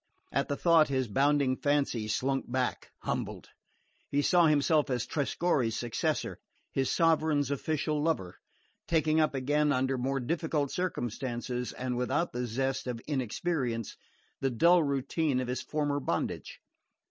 At the thought, his bounding fancy slunk back humbled. He saw himself as Trescorre's successor, his sovereign's official lover, taking up again, under more difficult circumstances, and without the zest of inexperience, the dull routine of his former bondage.